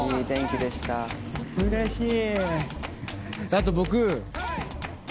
うれしい！